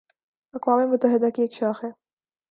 اقوام متحدہ کی ایک شاخ ہے